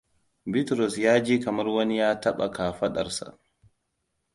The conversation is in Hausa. Bitrus ya ji kamar wani ya taɓa kafadar sa.